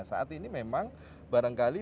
saat ini memang barangkali